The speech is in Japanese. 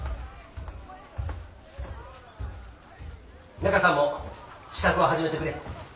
中さんも支度を始めてくれ。